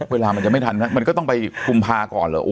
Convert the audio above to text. เวลามันจะไม่ทันมันก็ต้องไปกุมภาก่อนเหรอ